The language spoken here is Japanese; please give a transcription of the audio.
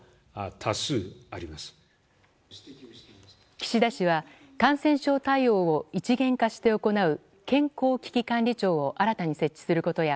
岸田氏は感染症対応を一元化して行う健康危機管理庁を新たに設置することや